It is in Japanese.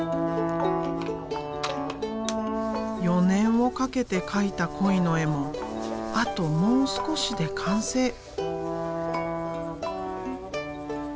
４年をかけて描いた鯉の絵もあともう少しで完成。